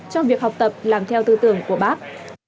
trong việc học tập làm theo tư tưởng của bác